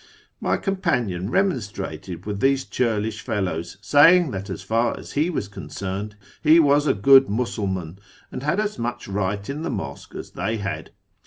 My companion remonstrated with these churlish fellows, saying that as far as he was concerned he was a good Musul man, and had as much right in the mosque as they had.